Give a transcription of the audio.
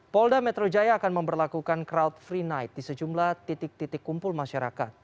polda metro jaya akan memperlakukan crowd free night di sejumlah titik titik kumpul masyarakat